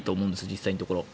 実際のところ。